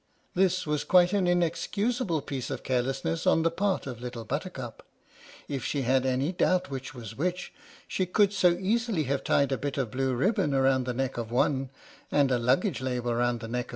This was quite an inexcusable piece of carelessness on the part of Little Buttercup. If she had any doubt which was which, she could so easily have tied a bit of blue ribbon round the neck of one, and a luggage label round the neck of the other.